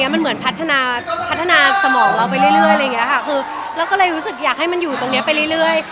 มันเหมือนพัฒนาสมองเราไปเรื่อยแล้วก็เลยรู้สึกอยากให้มันอยู่ตรงนี้ไปเรื่อย